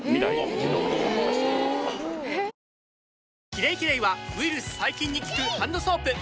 「キレイキレイ」はウイルス・細菌に効くハンドソープ！